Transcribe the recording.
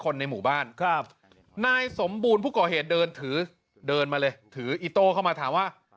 ในหมู่บ้านครับนายสมบูรณ์ผู้ก่อเหตุเดินถือเดินมาเลยถืออิโต้เข้ามาถามว่า